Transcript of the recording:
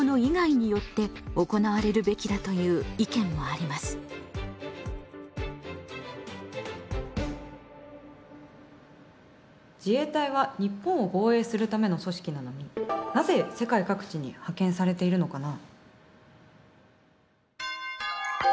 これに対し自衛隊は日本を防衛するための組織なのになぜ世界各地に派遣されているのかな？